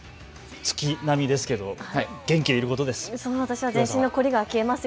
月並みですけど、元気でいることです。